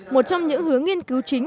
một trong những hướng nghiên cứu chính